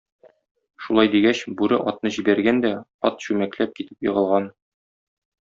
Шулай дигәч, бүре атны җибәргән дә, ат чүмәкләп китеп егылган.